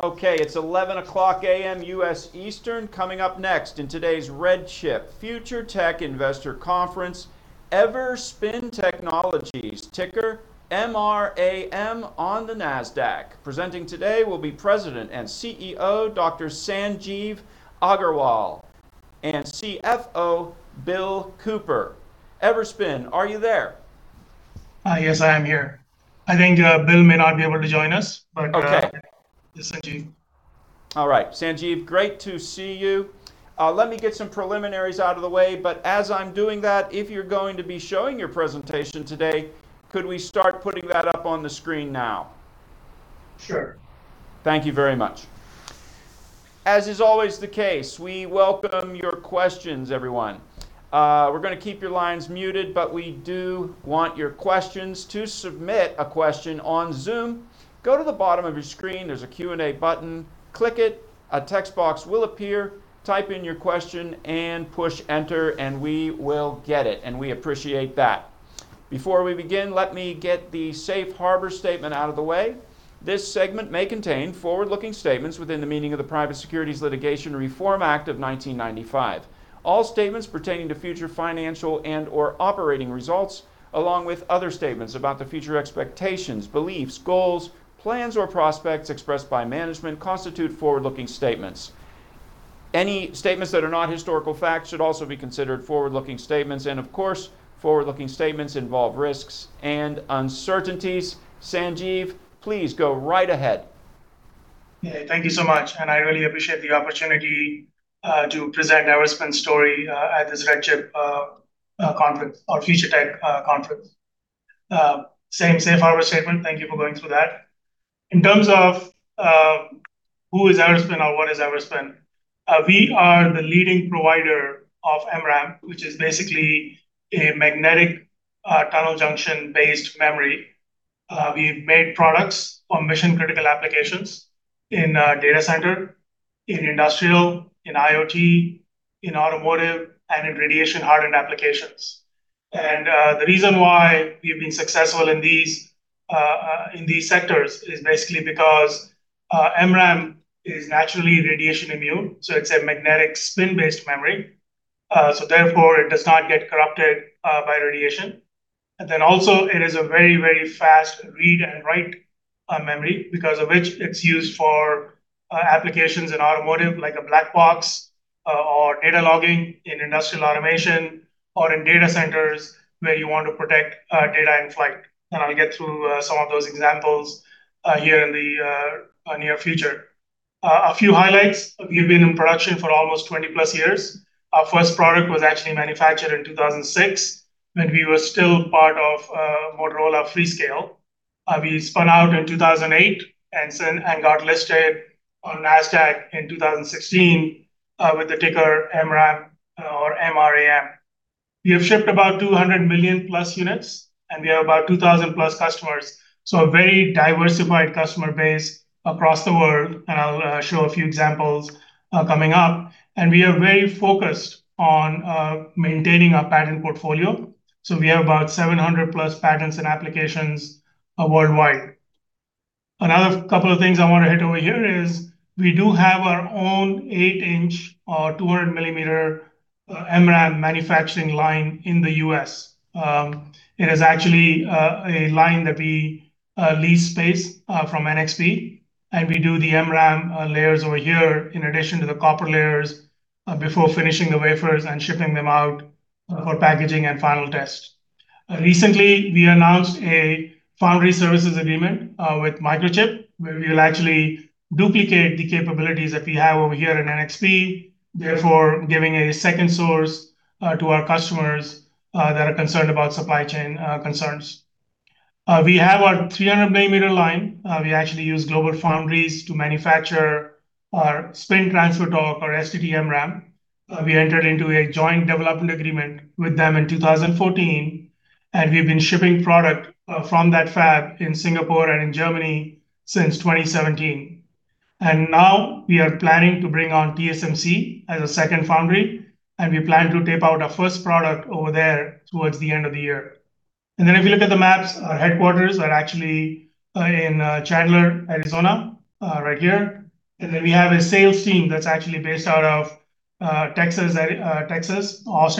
Okay, it's 11:00 A.M. U.S. Eastern. Coming up next in today's RedChip Future Tech Investor Conference, Everspin Technologies, ticker MRAM on the Nasdaq. Presenting today will be President and CEO, Dr. Sanjeev Aggarwal, and CFO, Bill Cooper. Everspin, are you there? Yes, I am here. I think Bill may not be able to join us. Okay Just Sanjeev. All right. Sanjeev, great to see you. Let me get some preliminaries out of the way, as I'm doing that, if you're going to be showing your presentation today, could we start putting that up on the screen now? Sure. Thank you very much. As is always the case, we welcome your questions, everyone. We're going to keep your lines muted, but we do want your questions. To submit a question on Zoom, go to the bottom of your screen. There's a Q&A button. Click it. A text box will appear. Type in your question and push Enter, and we will get it. We appreciate that. Before we begin, let me get the safe harbor statement out of the way. This segment may contain forward-looking statements within the meaning of the Private Securities Litigation Reform Act of 1995. All statements pertaining to future financial and/or operating results, along with other statements about the future expectations, beliefs, goals, plans, or prospects expressed by management, constitute forward-looking statements. Any statements that are not historical facts should also be considered forward-looking statements. Of course, forward-looking statements involve risks and uncertainties. Sanjeev, please go right ahead. Thank you so much. I really appreciate the opportunity to present Everspin's story at this RedChip conference, or Future Tech conference. Same safe harbor statement. Thank you for going through that. In terms of who is Everspin or what is Everspin, we're the leading provider of MRAM, which is basically a magnetic tunnel junction-based memory. We've made products for mission-critical applications in data center, in industrial, in IoT, in automotive, and in radiation hardened applications. The reason why we've been successful in these sectors is basically because MRAM is naturally radiation immune. It's a magnetic spin-based memory, so therefore it does not get corrupted by radiation. Also, it is a very fast read and write memory, because of which it's used for applications in automotive, like a black box, or data logging in industrial automation, or in data centers where you want to protect data in flight. I'll get through some of those examples here in the near future. A few highlights. We've been in production for almost 20+ years. Our first product was actually manufactured in 2006 when we were still part of Motorola, Freescale. We spun out in 2008 and got listed on Nasdaq in 2016, with the ticker MRAM or M-R-A-M. We have shipped about 200+ million units, and we have about 2,000+ customers, so a very diversified customer base across the world. I'll show a few examples coming up. We are very focused on maintaining our patent portfolio. We have about 700+ patents and applications worldwide. Another couple of things I want to hit over here is we do have our own 8-inch or 200 mm MRAM manufacturing line in the U.S. It is actually a line that we lease space from NXP, and we do the MRAM layers over here in addition to the copper layers before finishing the wafers and shipping them out for packaging and final test. Recently, we announced a foundry services agreement with Microchip, where we will actually duplicate the capabilities that we have over here in NXP, therefore giving a second source to our customers that are concerned about supply chain concerns. We have our 300-millimeter line. We actually use GLOBALFOUNDRIES to manufacture our spin-transfer torque, or STT-MRAM. We entered into a joint development agreement with them in 2014, and we've been shipping product from that fab in Singapore and in Germany since 2017. Now we are planning to bring on TSMC as a second foundry, and we plan to tape out our first product over there towards the end of the year. If you look at the maps, our headquarters are actually in Chandler, Arizona, right here. We have a sales team that's actually based out of Austin,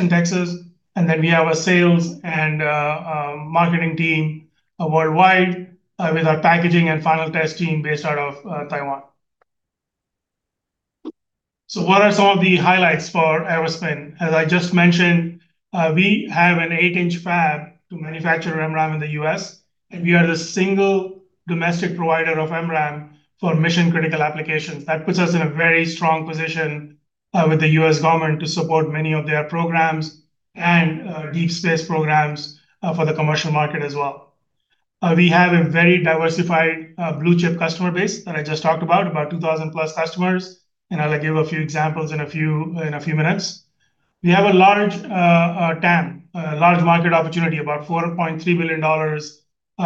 Texas. We have a sales and marketing team worldwide, with our packaging and final test team based out of Taiwan. What are some of the highlights for Everspin? As I just mentioned, we have an 8-inch fab to manufacture MRAM in the U.S., and we are the single domestic provider of MRAM for mission-critical applications. That puts us in a very strong position with the U.S. government to support many of their programs and deep space programs for the commercial market as well. We have a very diversified blue chip customer base that I just talked about 2,000+ customers, and I'll give a few examples in a few minutes. We have a large TAM, a large market opportunity, about $4.3 billion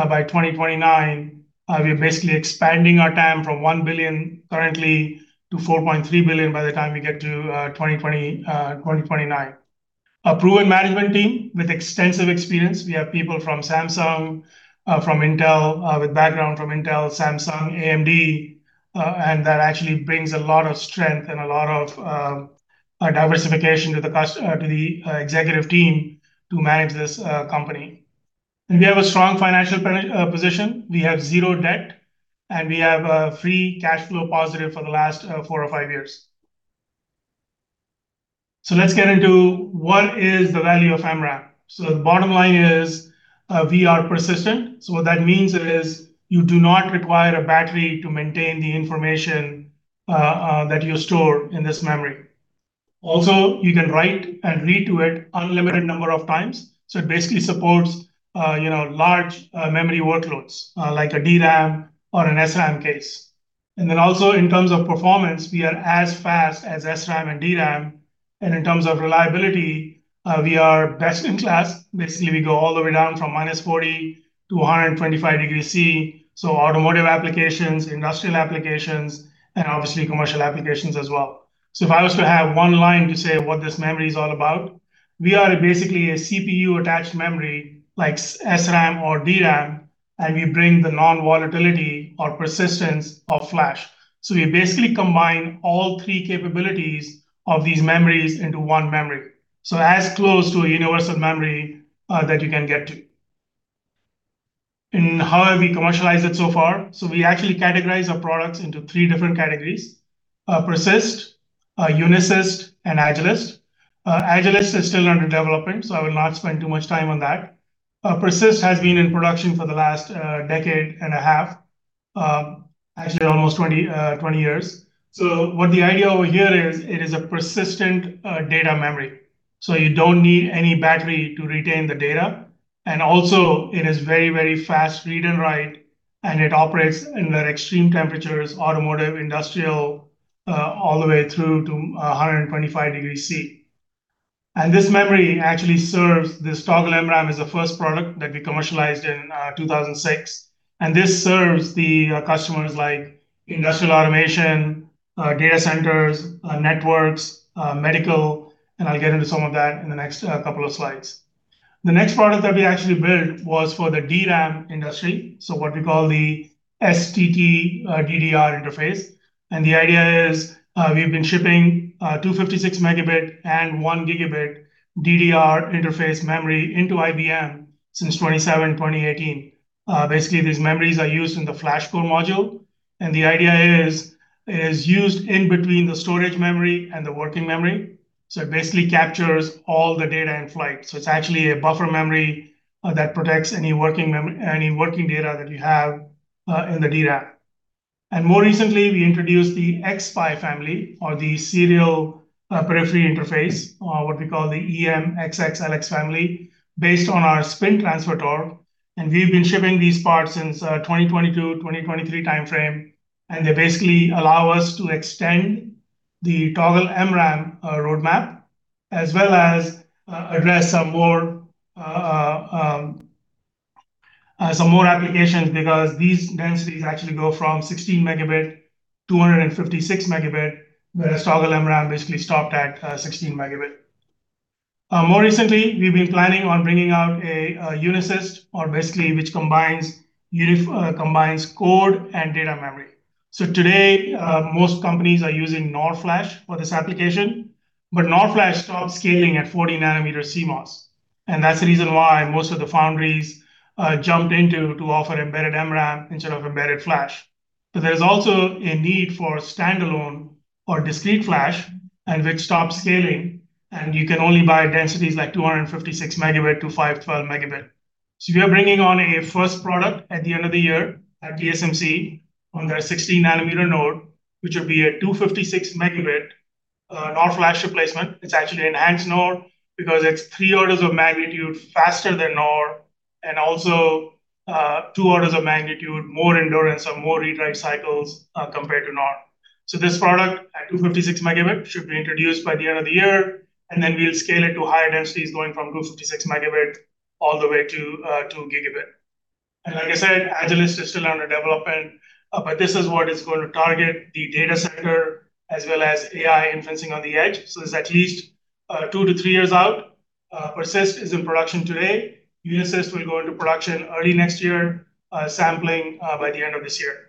by 2029. We're basically expanding our TAM from $1 billion currently to $4.3 billion by the time we get to 2029. A proven management team with extensive experience. We have people from Samsung, from Intel, with background from Intel, Samsung, AMD, and that actually brings a lot of strength and a lot of diversification to the executive team to manage this company. We have a strong financial position. We have zero debt, and we have a free cash flow positive for the last four or five years. Let's get into what is the value of MRAM. The bottom line is we are persistent. What that means is you do not require a battery to maintain the information that you store in this memory. Also, you can write and read to it unlimited number of times. It basically supports large memory workloads, like a DRAM or an SRAM case. Also in terms of performance, we are as fast as SRAM and DRAM, and in terms of reliability, we are best in class. Basically, we go all the way down from -40 to 125 degrees Celsius. Automotive applications, industrial applications, and obviously commercial applications as well. If I was to have one line to say what this memory is all about, we are basically a CPU-attached memory like SRAM or DRAM, and we bring the non-volatility or persistence of flash. We basically combine all three capabilities of these memories into one memory. As close to a universal memory that you can get to. How have we commercialized it so far? We actually categorize our products into three different categories: PERSYST, UNISYST, and AgILYST. AgILYST is still under development. I will not spend too much time on that. PERSYST has been in production for the last decade and a half, actually almost 20 years. What the idea over here is, it is a persistent data memory. You don't need any battery to retain the data. It is very, very fast read and write, and it operates under extreme temperatures, automotive, industrial, all the way through to 125 degrees Celsius. This memory actually serves. Toggle MRAM is the first product that we commercialized in 2006. This serves the customers like industrial automation, data centers, networks, medical. I will get into some of that in the next couple of slides. The next product that we actually built was for the DRAM industry, what we call the STT-DDR interface. The idea is, we have been shipping 256 Mb and 1 Gb DDR interface memory into IBM since 2018. These memories are used in the FlashCore Module. The idea is, it is used in between the storage memory and the working memory. It basically captures all the data in flight. It is actually a buffer memory that protects any working data that you have in the DRAM. More recently, we introduced the xSPI family, or the serial peripheral interface, or what we call the EMxxLX family, based on our spin-transfer torque. We have been shipping these parts since 2022, 2023 timeframe. They basically allow us to extend the Toggle MRAM roadmap as well as address some more applications because these densities actually go from 16 Mb, 256 Mb, where the Toggle MRAM basically stopped at 16 Mb. More recently, we have been planning on bringing out a UNISYST, or basically which combines code and data memory. Today, most companies are using NOR flash for this application. NOR flash stopped scaling at 40 nm CMOS, and that is the reason why most of the foundries jumped in to offer embedded MRAM instead of embedded flash. There is also a need for standalone or discrete flash, which stopped scaling. You can only buy densities like 256 Mb-512 Mb. We are bringing on a first product at the end of the year at TSMC on their 60 nm node, which will be a 256 Mb NOR flash replacement. It is actually an X node because it is three orders of magnitude faster than NOR and also two orders of magnitude more endurance or more rewrite cycles compared to NOR. This product at 256 Mb should be introduced by the end of the year. Then we will scale it to higher densities going from 256 Mb all the way to gigabit. Like I said, AgILYST is still under development. This is what is going to target the data center as well as AI inferencing on the edge. It's at least two to three years out. PERSYST is in production today. UNISYST will go into production early next year, sampling by the end of this year.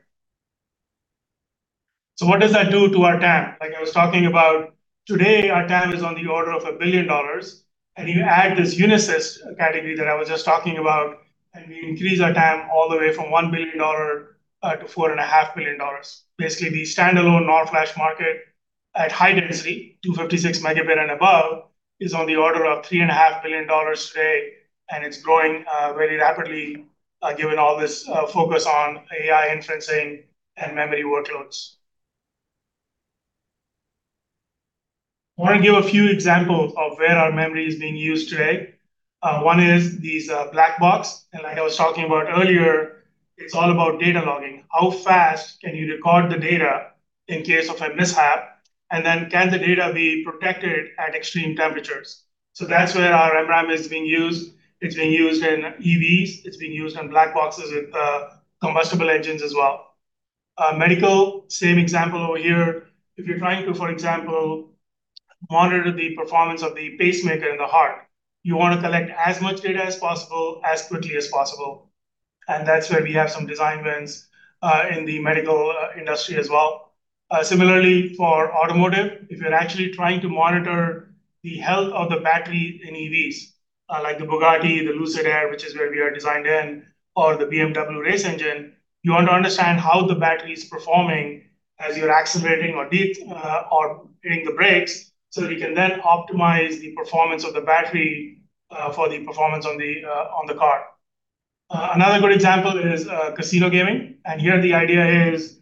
What does that do to our TAM? Like I was talking about, today, our TAM is on the order of $1 billion, and you add this UNISYST category that I was just talking about, and we increase our TAM all the way from $1 billion-$4.5 billion. Basically, the standalone NOR flash market at high density, 256 Mb and above, is on the order of $3.5 billion today, and it's growing very rapidly given all this focus on AI inferencing and memory workloads. I want to give a few examples of where our memory is being used today. One is these black box, and like I was talking about earlier, it's all about data logging. How fast can you record the data in case of a mishap, and then can the data be protected at extreme temperatures? That's where our MRAM is being used. It's being used in EVs. It's being used in black boxes with combustible engines as well. Medical. Same example over here. If you're trying to, for example, monitor the performance of the pacemaker in the heart, you want to collect as much data as possible, as quickly as possible. That's where we have some design wins in the medical industry as well. Similarly, for automotive, if you're actually trying to monitor the health of the battery in EVs, like the Bugatti, the Lucid Air, which is where we are designed in, or the BMW race engine, you want to understand how the battery is performing as you're accelerating or hitting the brakes, so we can then optimize the performance of the battery for the performance on the car. Another good example is casino gaming. Here, the idea is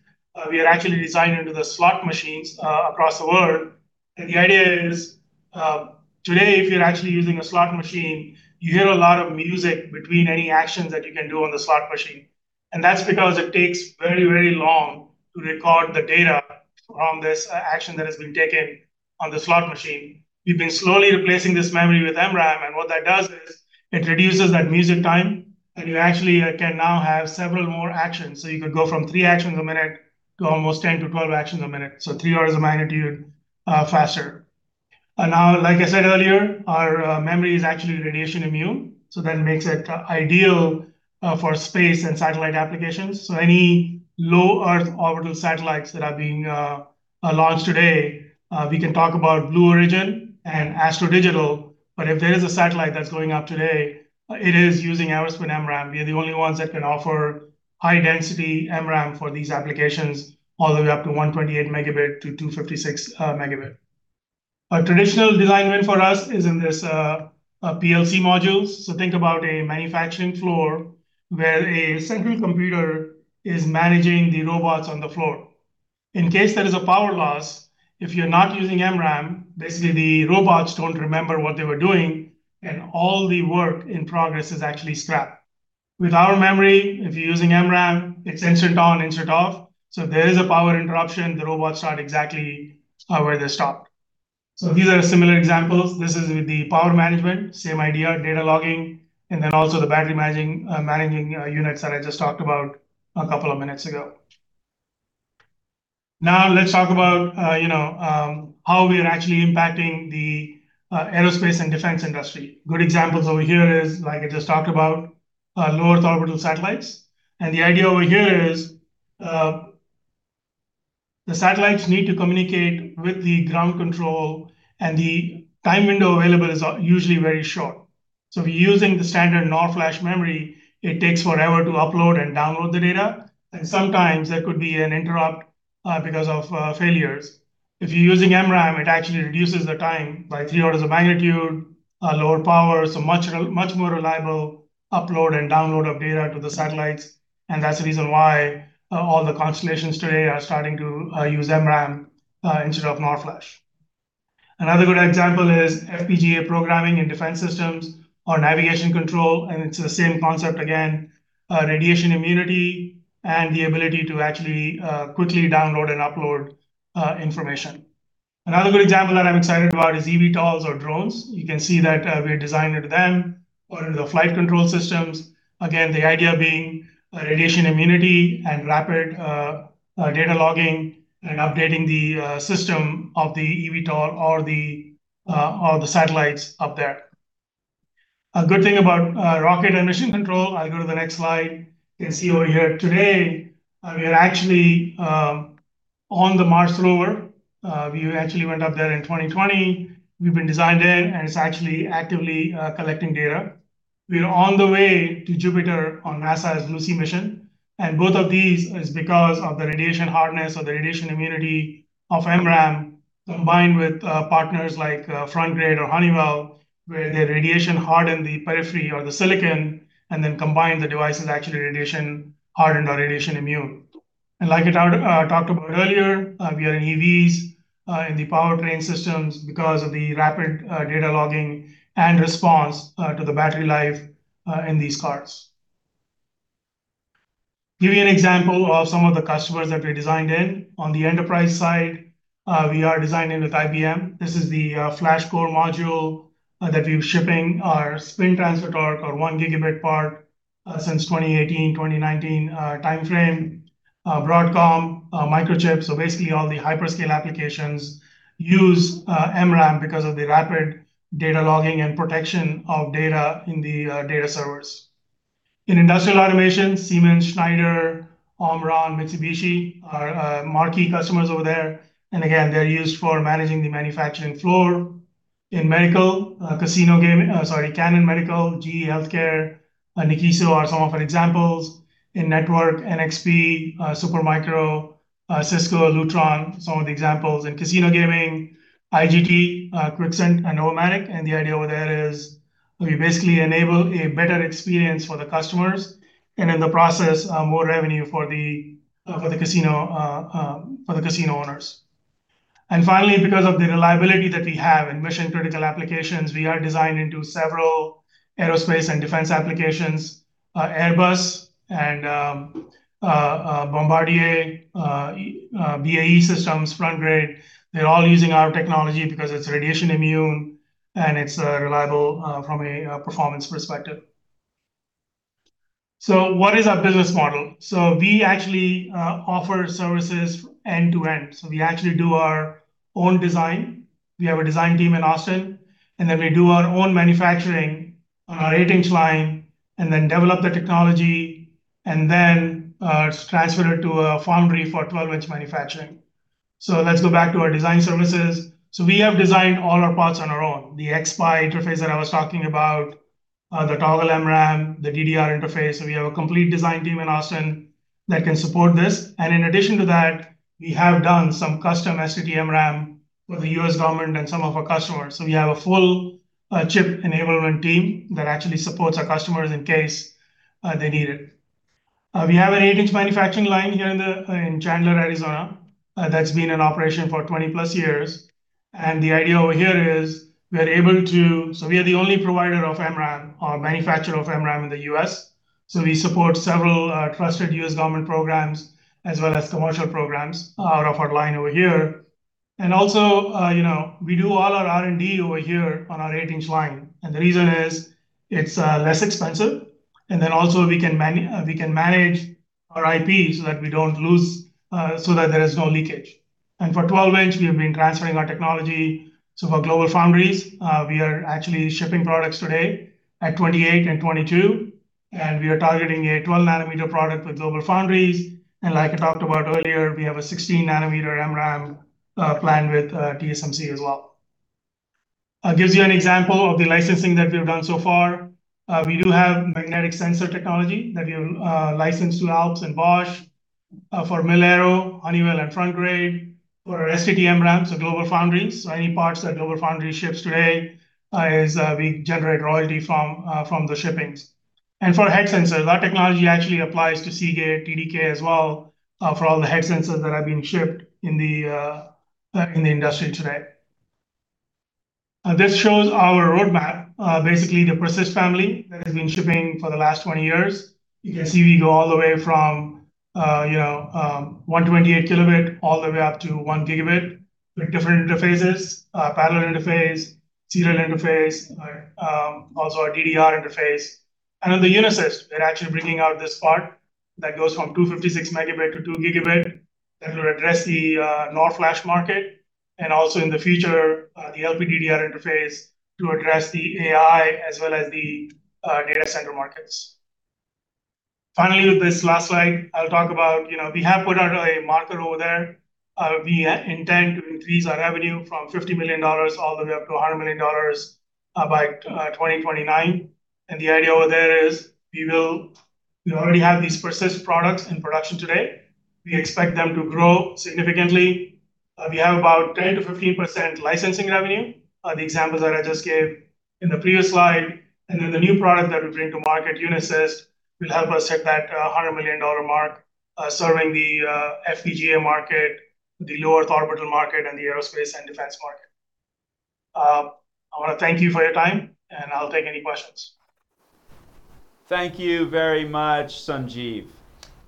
we are actually designed into the slot machines across the world. The idea is, today, if you're actually using a slot machine, you hear a lot of music between any actions that you can do on the slot machine. That's because it takes very long to record the data from this action that has been taken on the slot machine. We've been slowly replacing this memory with MRAM, and what that does is it reduces that music time, and you actually can now have several more actions. You could go from three actions a minute to almost 10-12 actions a minute. Three orders of magnitude faster. Now, like I said earlier, our memory is actually radiation immune, so that makes it ideal for space and satellite applications. Any low earth orbital satellites that are being launched today, we can talk about Blue Origin and Astro Digital, but if there is a satellite that's going up today, it is using our spin MRAM. We are the only ones that can offer high density MRAM for these applications, all the way up to 128 Mb-256 Mb. A traditional design win for us is in this PLC modules. Think about a manufacturing floor where a central computer is managing the robots on the floor. In case there is a power loss, if you're not using MRAM, basically the robots don't remember what they were doing, and all the work in progress is actually scrapped. With our memory, if you're using MRAM, it's insert on, insert off. If there is a power interruption, the robots start exactly where they stopped. These are similar examples. This is with the power management, same idea, data logging, and also the battery managing units that I just talked about a couple of minutes ago. Let's talk about how we are actually impacting the aerospace and defense industry. Good examples over here is, like I just talked about, low earth orbital satellites. The idea over here is, the satellites need to communicate with the ground control, and the time window available is usually very short. If you're using the standard NOR flash, it takes forever to upload and download the data, and sometimes there could be an interrupt because of failures. If you're using MRAM, it actually reduces the time by three orders of magnitude, lower power, much more reliable upload and download of data to the satellites. That's the reason why all the constellations today are starting to use MRAM instead of NOR flash. Another good example is FPGA programming in defense systems or navigation control. It's the same concept again, radiation immunity and the ability to actually quickly download and upload information. Another good example that I'm excited about is eVTOLs or drones. You can see that we're designed into them or into the flight control systems. Again, the idea being radiation immunity and rapid data logging and updating the system of the eVTOL or the satellites up there. A good thing about rocket and mission control, I'll go to the next slide. You can see over here today, we are actually on the Mars rover. We actually went up there in 2020. We've been designed in, and it's actually actively collecting data. We are on the way to Jupiter on NASA's Lucy mission. Both of these is because of the radiation hardness or the radiation immunity of MRAM, combined with partners like Frontgrade or Honeywell, where they radiation-harden the periphery or the silicon, and then combine the devices, actually radiation-hardened or radiation-immune. Like I talked about earlier, we are in EVs, in the powertrain systems because of the rapid data logging and response to the battery life in these cars. Give you an example of some of the customers that we're designed in. On the enterprise side, we are designed in with IBM. This is the FlashCore Module that we've shipping our spin-transfer torque or one gigabit part, since 2018, 2019 timeframe. Broadcom, Microchip, basically all the hyperscale applications use MRAM because of the rapid data logging and protection of data in the data servers. In industrial automation, Siemens, Schneider, Omron, Mitsubishi are marquee customers over there. Again, they're used for managing the manufacturing floor. In medical, casino gaming, oh sorry, returning to medical, GE HealthCare, Nikkiso are some of our examples. In network, NXP, Supermicro, Cisco, Lutron, some of the examples. In casino gaming, IGT, [Crypsen and NOVOMATIC. The idea over there is we basically enable a better experience for the customers, and in the process, more revenue for the casino owners. Finally, because of the reliability that we have in mission critical applications, we are designed into several aerospace and defense applications. Airbus and Bombardier, BAE Systems, Frontgrade, they're all using our technology because it's radiation immune and it's reliable from a performance perspective. What is our business model? We actually offer services end to end. We actually do our own design. We have a design team in Austin, and then we do our own manufacturing on our 8-inch line, and then develop the technology, and then transfer it to a foundry for 12-inch manufacturing. Let's go back to our design services. We have designed all our parts on our own. The xSPI interface that I was talking about, the Toggle MRAM, the DDR interface. We have a complete design team in Austin that can support this. In addition to that, we have done some custom STT-MRAM for the U.S. government and some of our customers. We have a full chip enablement team that actually supports our customers in case they need it. We have an 8-inch manufacturing line here in Chandler, Arizona, that's been in operation for 20+ years. The idea over here is we are the only provider of MRAM, or manufacturer of MRAM in the U.S. We support several trusted U.S. government programs as well as commercial programs out of our line over here. Also, we do all our R&D over here on our 8-inch line. The reason is it's less expensive, also we can manage our IP so that there is no leakage. For 12-inch, we have been transferring our technology to our GLOBALFOUNDRIES. We are actually shipping products today at 28 and 22, and we are targeting a 12 nm product withGLOBALFOUNDRIES. Like I talked about earlier, we have a 16 nm MRAM plan with TSMC as well. Gives you an example of the licensing that we've done so far. We do have magnetic sensor technology that we've licensed to Alps and Bosch, for Mil-Aero, Honeywell, and Frontgrade. For our STT-MRAM, GLOBALFOUNDRIES. Any parts that GLOBALFOUNDRIES ships today, we generate royalty from the shippings. For head sensors, our technology actually applies to Seagate, TDK as well, for all the head sensors that have been shipped in the industry today. This shows our roadmap. Basically, the PERSYST family that has been shipping for the last 20 years. You can see we go all the way from 128 kilobit all the way up to 1 gigabit with different interfaces, parallel interface, serial interface, also our DDR interface. On the UNISYST, we're actually bringing out this part that goes from 256 Mb-2 Gb that will address the NOR flash market, also in the future, the LPDDR interface to address the AI as well as the data center markets. Finally, with this last slide, I'll talk about, we have put out a marker over there. We intend to increase our revenue from $50 million all the way up to $100 million by 2029. The idea over there is we already have these persistent products in production today. We expect them to grow significantly. We have about 10%-15% licensing revenue, the examples that I just gave in the previous slide. The new product that we bring to market, UNISYST, will help us hit that $100 million mark, serving the FPGA market, the low Earth orbital market, and the aerospace and defense market. I want to thank you for your time, and I'll take any questions. Thank you very much, Sanjeev.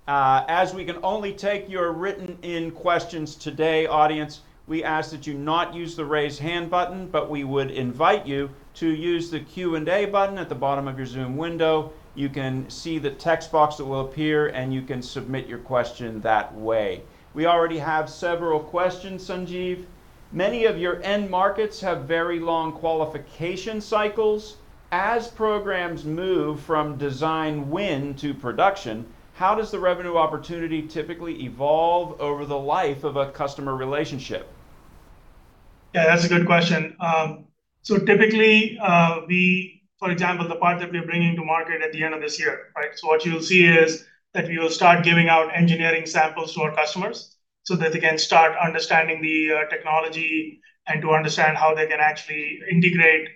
As we can only take your written-in questions today, audience, we ask that you not use the raise hand button, but we would invite you to use the Q&A button at the bottom of your Zoom window. You can see the text box that will appear, and you can submit your question that way. We already have several questions, Sanjeev. Many of your end markets have very long qualification cycles. As programs move from design win to production, how does the revenue opportunity typically evolve over the life of a customer relationship? Yeah, that's a good question. Typically, for example, the part that we're bringing to market at the end of this year. What you'll see is that we will start giving out engineering samples to our customers so that they can start understanding the technology and to understand how they can actually integrate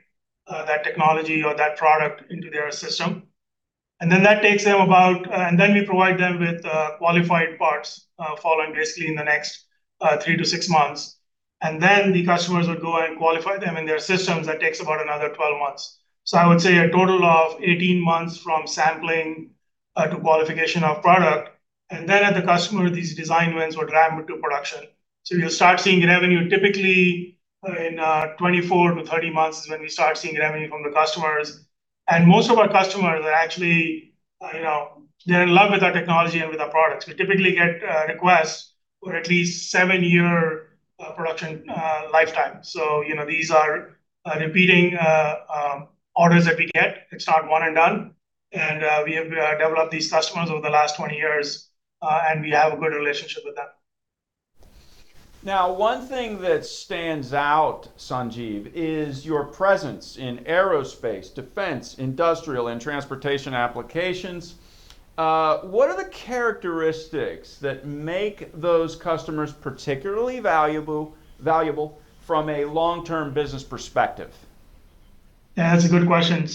that technology or that product into their system. We provide them with qualified parts following basically in the next three to six months. The customers would go and qualify them in their systems. That takes about another 12 months. I would say a total of 18 months from sampling to qualification of product. At the customer, these design wins would ramp to production. You'll start seeing revenue typically in 24-30 months is when we start seeing revenue from the customers. Most of our customers are actually, they're in love with our technology and with our products. We typically get requests for at least seven-year production lifetime. These are repeating orders that we get. It's not one and done. We have developed these customers over the last 20 years, and we have a good relationship with them. One thing that stands out, Sanjeev, is your presence in aerospace, defense, industrial, and transportation applications. What are the characteristics that make those customers particularly valuable from a long-term business perspective? Yeah, that's a good question.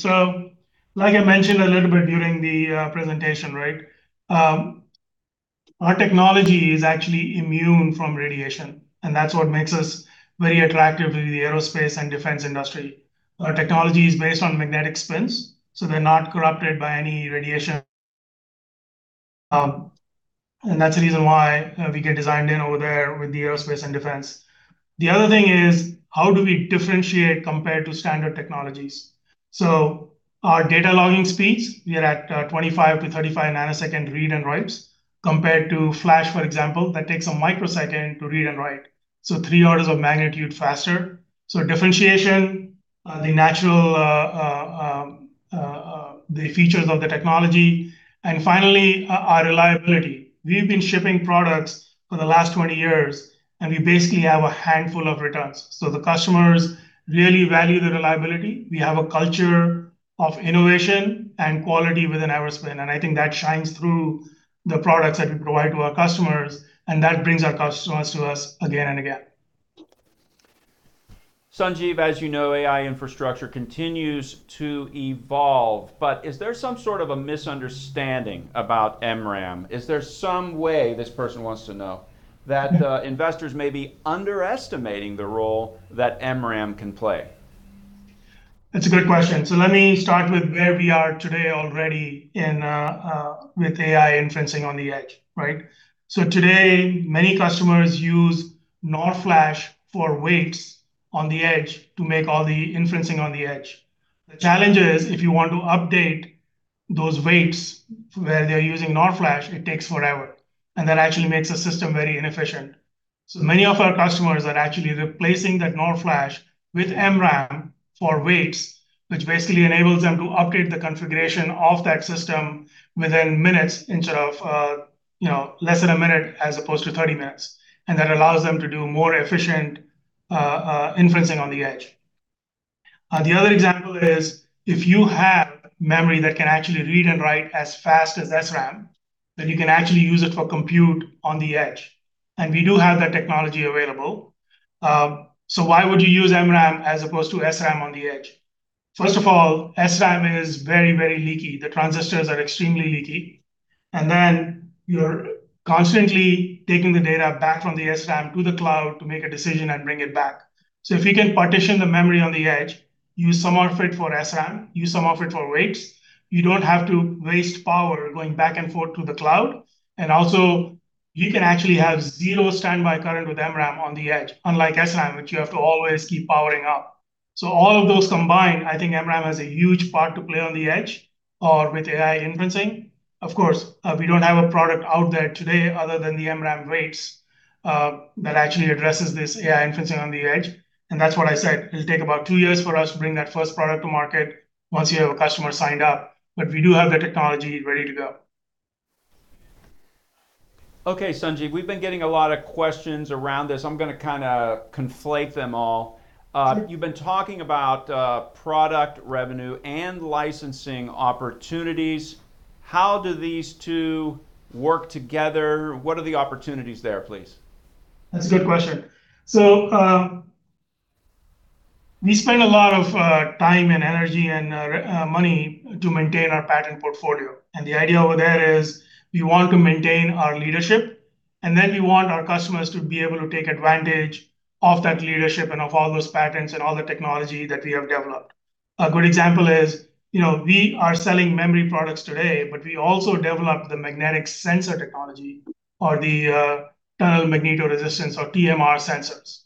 Like I mentioned a little bit during the presentation. Our technology is actually immune from radiation, and that's what makes us very attractive to the aerospace and defense industry. Our technology is based on magnetic spins, they're not corrupted by any radiation. That's the reason why we get designed in over there with the aerospace and defense. The other thing is how do we differentiate compared to standard technologies? Our data logging speeds, we are at 25 nanosecond-35 nanosecond read and writes, compared to flash, for example, that takes a microsecond to read and write, three orders of magnitude faster. Differentiation, the features of the technology, and finally, our reliability. We've been shipping products for the last 20 years, and we basically have a handful of returns. The customers really value the reliability. We have a culture of innovation and quality within Everspin, I think that shines through the products that we provide to our customers, that brings our customers to us again and again. Sanjeev, as you know, AI infrastructure continues to evolve, is there some sort of a misunderstanding about MRAM? Is there some way, this person wants to know, that investors may be underestimating the role that MRAM can play? Let me start with where we are today already with AI inferencing on the edge. Today, many customers use NOR flash for weights on the edge to make all the inferencing on the edge. The challenge is, if you want to update those weights where they're using NOR flash, it takes forever, and that actually makes the system very inefficient. Many of our customers are actually replacing that NOR flash with MRAM for weights, which basically enables them to update the configuration of that system within minutes instead of less than a minute, as opposed to 30 minutes. That allows them to do more efficient inferencing on the edge. The other example is if you have memory that can actually read and write as fast as SRAM, you can actually use it for compute on the edge. We do have that technology available. Why would you use MRAM as opposed to SRAM on the edge? First of all, SRAM is very, very leaky. The transistors are extremely leaky, and then you're constantly taking the data back from the SRAM to the cloud to make a decision and bring it back. If you can partition the memory on the edge, use some of it for SRAM, use some of it for weights, you don't have to waste power going back and forth to the cloud. Also, you can actually have zero standby current with MRAM on the edge, unlike SRAM, which you have to always keep powering up. All of those combined, I think MRAM has a huge part to play on the edge or with AI inferencing. Of course, we don't have a product out there today other than the MRAM weights that actually addresses this AI inferencing on the edge. That's what I said, it'll take about two years for us to bring that first product to market once you have a customer signed up. We do have the technology ready to go. Okay, Sanjeev. We've been getting a lot of questions around this. I'm going to kind of conflate them all. Sure. You've been talking about product revenue and licensing opportunities. How do these two work together? What are the opportunities there, please? That's a good question. We spend a lot of time and energy and money to maintain our patent portfolio. The idea over there is we want to maintain our leadership, and then we want our customers to be able to take advantage of that leadership and of all those patents and all the technology that we have developed. A good example is we are selling memory products today, but we also developed the magnetic sensor technology or the tunnel magnetoresistance, or TMR sensors.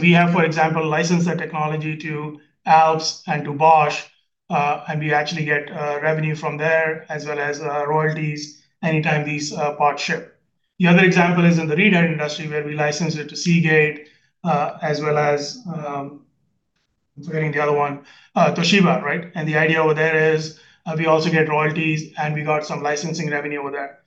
We have, for example, licensed that technology to Alps and to Bosch, and we actually get revenue from there, as well as royalties anytime these parts ship. The other example is in the read arm industry, where we licensed it to Seagate, as well as, I'm forgetting the other one, Toshiba. The idea over there is we also get royalties, and we got some licensing revenue over there.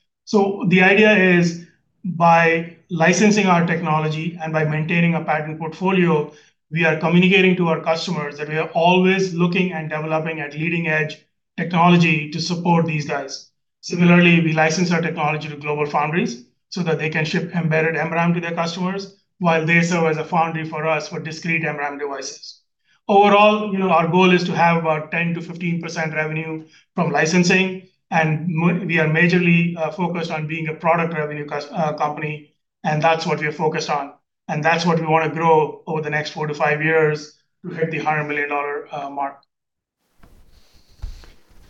The idea is, by licensing our technology and by maintaining a patent portfolio, we are communicating to our customers that we are always looking and developing a leading edge technology to support these guys. Similarly, we license our technology to GLOBALFOUNDRIES so that they can ship embedded MRAM to their customers while they serve as a foundry for us for discrete MRAM devices. Overall, our goal is to have about 10%-15% revenue from licensing, and we are majorly focused on being a product revenue company, and that's what we are focused on, and that's what we want to grow over the next four to five years to hit the $100 million mark.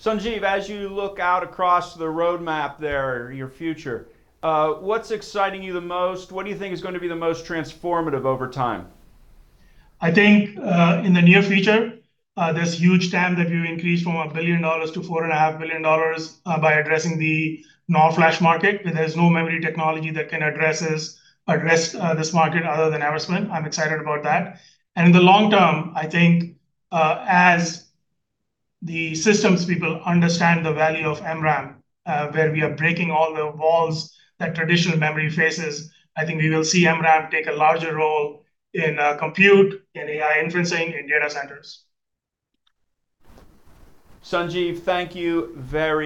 Sanjeev, as you look out across the roadmap there, your future, what's exciting you the most? What do you think is going to be the most transformative over time? I think, in the near future, this huge TAM that we've increased from $1 billion-$4.5 billion by addressing the NOR flash market. There's no memory technology that can address this market other than Everspin. I'm excited about that. In the long term, I think as the systems people understand the value of MRAM, where we are breaking all the walls that traditional memory faces, I think we will see MRAM take a larger role in compute, in AI inferencing, in data centers. Sanjeev, thank you very-